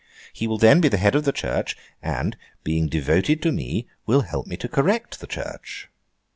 He will then be the head of the Church, and, being devoted to me, will help me to correct the Church.